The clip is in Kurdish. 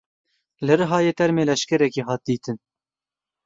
Li Rihayê termê leşkerekî hat dîtin.